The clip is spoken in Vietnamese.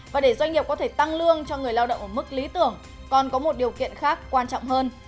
và để doanh nghiệp có thể tăng lương cho người lao động ở mức lý tưởng còn có một điều kiện khác quan trọng hơn